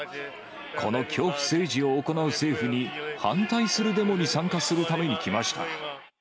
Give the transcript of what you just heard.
この恐怖政治を行う政府に反対するデモに参加するために来ました。